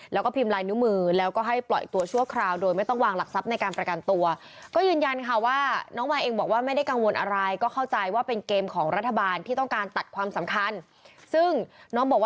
แล้วก็ยืนยันค่ะว่าน้องไมแต่อย่างบอกว่าไม่ได้กังวลอะไรก็เข้าใจว่าเป็นเกมของรัฐบาลที่ต้องการตัดความสำคัญซึ่งน้องบอกว่า